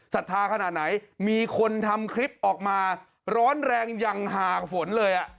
ศรัทธาขนาดไหนมีคนทำคลิปออกมาร้อนแรงอย่างห่างฝนเลย